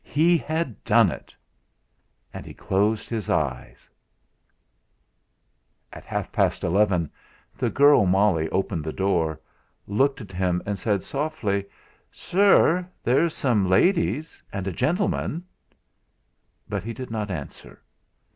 He had done it! And he closed his eyes .... At half past eleven the girl Molly, opening the door, looked at him and said softly: "Sirr! there's some ladies, and a gentleman!" But he did not answer.